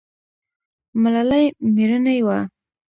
ملالۍ میړنۍ وه